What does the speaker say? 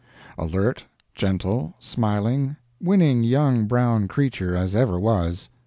Alert, gentle, smiling, winning young brown creature as ever was.